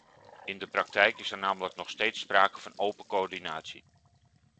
In de praktijk is er namelijk nog steeds sprake van open coördinatie.